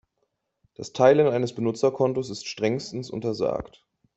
Das Teilen eines Benutzerkontos ist strengstens untersagt.